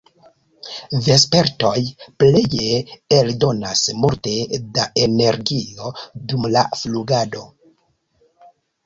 Vespertoj pleje eldonas multe da energio dum la flugado.